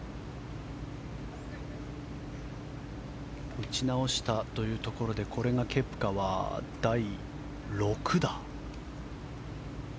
打ち直したというところでこれがケプカは第６打。